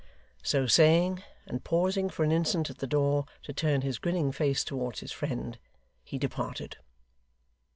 So saying, and pausing for an instant at the door to turn his grinning face towards his friend, he departed.